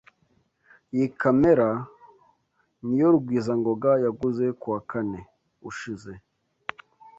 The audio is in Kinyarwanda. Iyi kamera niyo Rugwizangoga yaguze kuwa kane ushize.